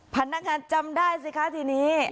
พนักงานจำได้สิคะทีนี้